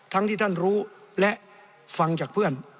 ทั้งที่ท่านรู้และฟังจากเพื่อน